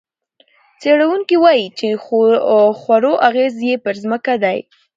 څېړونکي وايي، څه خورو، اغېز یې پر ځمکه دی.